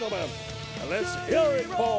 มีความรู้สึกว่า